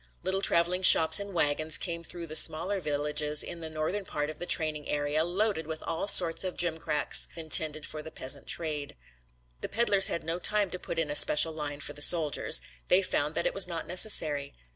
Little traveling shops in wagons came through the smaller villages in the northern part of the training area loaded with all sorts of gimcracks intended for the peasant trade. The peddlers had no time to put in a special line for the soldiers. They found that it was not necessary.